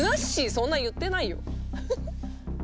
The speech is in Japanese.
そんな言ってないよ。